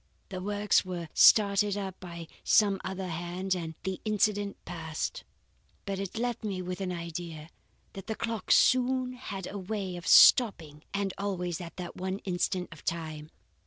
The works were started up by some other hand, and the incident passed. But it left me with an idea. That clock soon had a way of stopping and always at that one instant of time.